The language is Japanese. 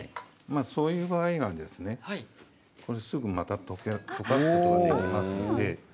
そういう場合はですねすぐまた溶かすことができますので。